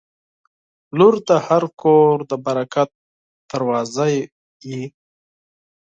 • لور د هر کور د برکت دروازه وي.